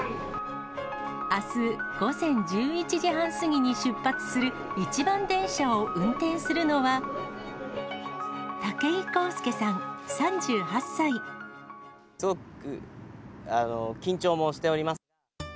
あす午前１１時半過ぎに出発する一番電車を運転するのは、すごく緊張もしております。